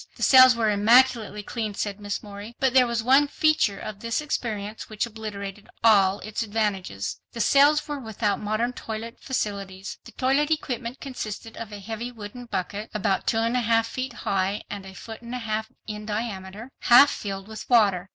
"The cells were immaculately clean," said Miss Morey, "but there was one feature of this experience which obliterated all its advantages. The cells were without modern toilet facilities. The toilet equipment consisted of a heavy wooden bucket, about two and a half feet high and a foot and a half in diameter, half filled with water.